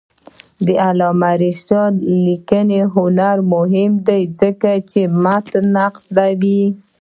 د علامه رشاد لیکنی هنر مهم دی ځکه چې متني نقد کوي.